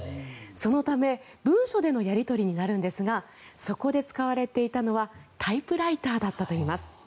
そのため文書でのやり取りになるんですがそこで使われていたのはタイプライターだったといいます。